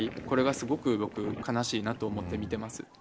これはすごく僕は悲しいなと思って見ています。